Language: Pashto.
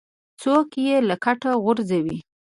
څوک یې له کټه غورځوي.